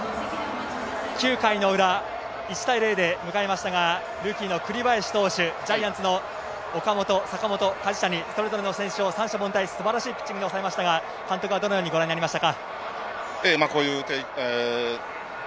９回の裏、１対０でしたが、ルーキーの栗林選手、ジャイアンツの岡本、坂本、梶谷、それぞれの選手を三者凡退、素晴らしいピッチングで抑えましたが、どのようにご覧になりましたか？